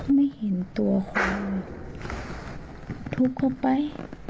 ไม่เห็นตัวของทุบเข้าไป